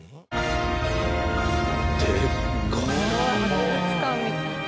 博物館みたい。